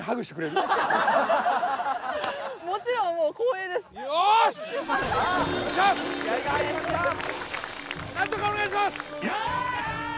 なんとかお願いします！